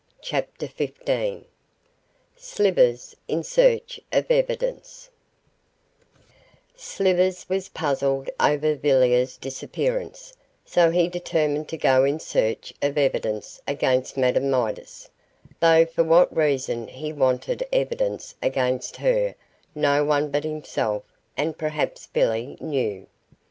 CHAPTER XV SLIVERS IN SEARCH OF EVIDENCE Slivers was puzzled over Villiers' disappearance, so he determined to go in search of evidence against Madame Midas, though for what reason he wanted evidence against her no one but himself and perhaps Billy knew.